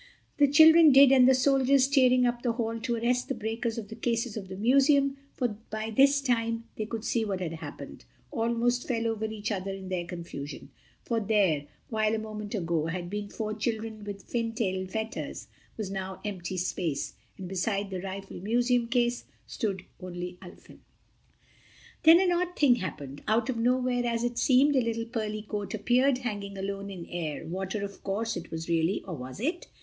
The children did, and the soldiers tearing up the hall to arrest the breakers of the cases of the Museum—for by this time they could see what had happened—almost fell over each other in their confusion. For there, where a moment ago had been four children with fin tail fetters, was now empty space, and beside the rifled Museum case stood only Ulfin. And then an odd thing happened. Out of nowhere, as it seemed, a little pearly coat appeared, hanging alone in air (water, of course, it was really. Or was it?).